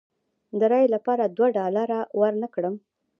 د رایې لپاره دوه ډالره ورنه کړم.